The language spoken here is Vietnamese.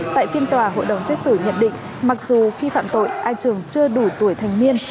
tại phiên tòa hội đồng xét xử nhận định mặc dù khi phạm tội ai trường chưa đủ tuổi thành niên